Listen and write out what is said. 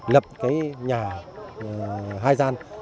lập cái nhà hai gian